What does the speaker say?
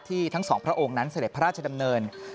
ทั้งสองพระองค์นั้นเสด็จพระราชดำเนิน